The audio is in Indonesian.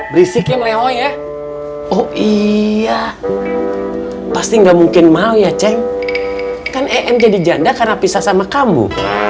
berisiknya meleo ya oh iya pasti gak mungkin mau ya ceng kan em jadi janda karena pisah sama kamu